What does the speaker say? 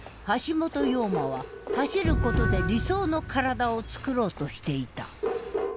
陽馬は走ることで理想の身体をつくろうとしていた。